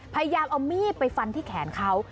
พยายามเอามีดไปฟันที่แขนเขา